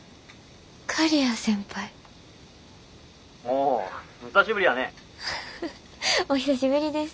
お久しぶりです。